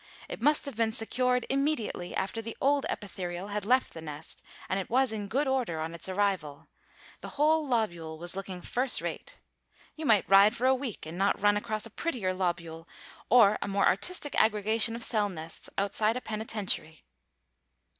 It must have been secured immediately after the old epitherial had left the nest, and it was in good order on its arrival. The whole lobule was looking first rate. You might ride for a week and not run across a prettier lobule or a more artistic aggregation of cell nests outside a penitentiary.